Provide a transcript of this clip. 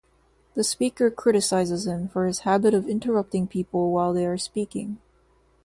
The speaker criticizes him for his habit of interrupting people while they are speaking.